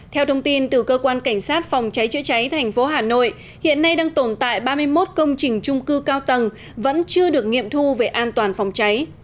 theo thông tin từ cơ quan cảnh sát phòng cháy chữa cháy thành phố hà nội hiện nay đang tồn tại ba mươi một công trình trung cư cao tầng vẫn chưa được nghiệm thu về an toàn phòng cháy